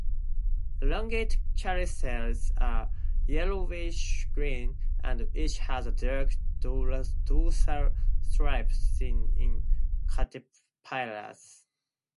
Elongate chrysalids are yellowish-green, and each has a dark dorsal stripe seen in caterpillars.